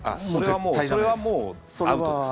それはもうアウトです。